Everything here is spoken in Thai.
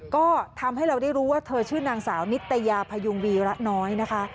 ก็ทำให้เราได้รู้ว่าเธอชื่อนางสาวนิตยาพยุงวีระน้อยนะคะ